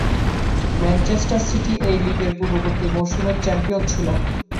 Manchester City এই লীগের পূর্ববর্তী মৌসুমের চ্যাম্পিয়ন ছিল।